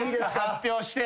発表して。